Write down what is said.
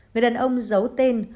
người đàn ông dấu tên